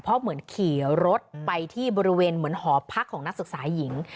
เพราะเหมือนขี่รถไปที่บริเวณเหมือนหอพักของนักศึกษาหญิง